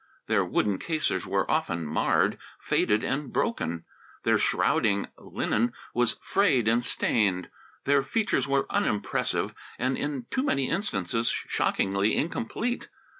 Their wooden cases were often marred, faded, and broken. Their shrouding linen was frayed and stained. Their features were unimpressive and, in too many instances, shockingly incomplete.